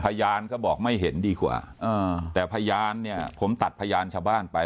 พยานก็บอกไม่เห็นดีกว่าแต่พยานเนี่ยผมตัดพยานชาวบ้านไป